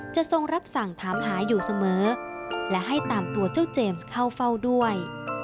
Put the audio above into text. ทรงรับสั่งถามหาอยู่เสมอและให้ตามตัวเจ้าเจมส์เข้าเฝ้าด้วย